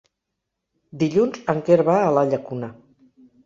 Dilluns en Quer va a la Llacuna.